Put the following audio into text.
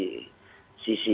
baik itu mungkin nanti dari sisi